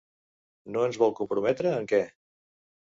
No ens vol comprometre en què?